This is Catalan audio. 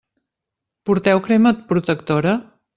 Porteu crema protectora?